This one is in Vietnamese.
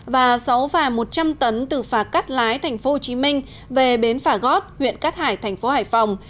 và sáu phà một trăm linh tấn từ phà cát lái thành phố hồ chí minh về bến phà gót huyện cát hải thành phố hải phòng